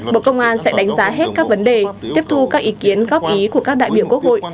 bộ công an sẽ đánh giá hết các vấn đề tiếp thu các ý kiến góp ý của các đại biểu quốc hội